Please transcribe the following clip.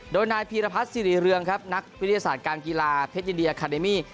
โดยนายพีรพัฒน์สิริเรืองครับนักวิทยาศาสตร์การกีฬาเพชรยินดีอาคาเดมี่